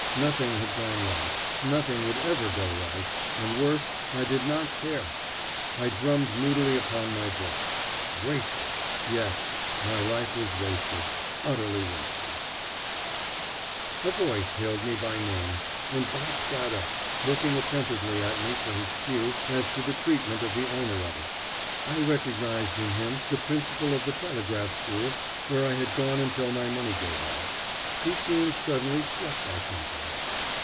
Nothing had gone right; nothing would ever go right; and, worse, I did not care. I drummed moodily upon my book. Wasted! Yes, My life was wasted, utterly wasted. [Illustration: "Hard Times"] A voice hailed me by name, and Bob sat up, looking attentively at me for his cue as to the treatment of the owner of it. I recognized in him the principal of the telegraph school where I had gone until my money gave out. He seemed suddenly struck by something.